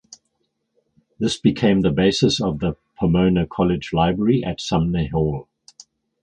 This became the basis of the Pomona College library at Sumner Hall.